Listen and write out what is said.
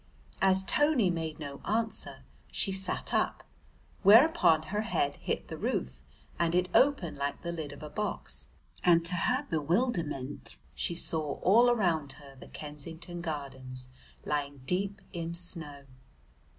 As Tony made no answer, she sat up, whereupon her head hit the roof, and it opened like the lid of a box, and to her bewilderment she saw all around her the Kensington Gardens lying deep in snow.